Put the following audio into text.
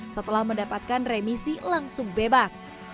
setelah mendapatkan remisi umum dua atau bebas